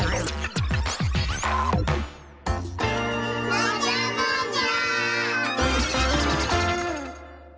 もじゃもじゃ！